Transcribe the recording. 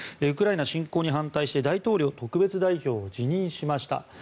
ウクライナ侵攻に反対して大統領特別代表を辞任しました。